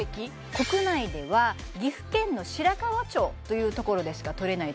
国内では岐阜県の白川町というところでしか採れない